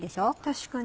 確かに。